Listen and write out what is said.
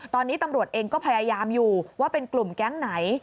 ตอนนี้ตำรวจเองก็พยายามอยู่ว่าเป็นกลุ่มแก๊งไหน